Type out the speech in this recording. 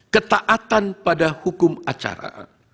ketaatan pada hukum acara